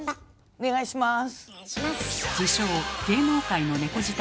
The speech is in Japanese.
お願いします。